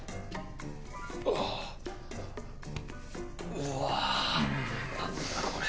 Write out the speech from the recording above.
うわぁ何だこれ。